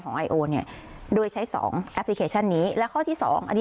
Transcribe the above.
คุณประสิทธิ์ทราบรึเปล่าคะว่า